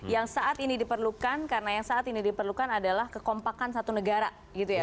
yang saat ini diperlukan karena yang saat ini diperlukan adalah kekompakan satu negara gitu ya